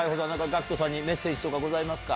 ＧＡＣＫＴさんにメッセージとかございますか？